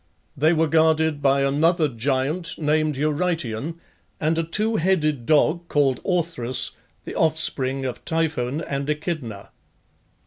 They were guarded by another giant named Eurytion, and a two headed dog called Orthrus, the offspring of Typhon and Echidna.